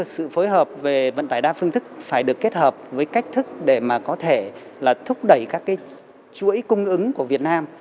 sự phối hợp về vận tài đa phương thức phải được kết hợp với cách thức để có thể thúc đẩy các chuỗi cung ứng của việt nam